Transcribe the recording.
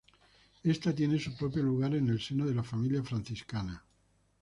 Esta tiene su propio lugar en el seno de la Familia Franciscana.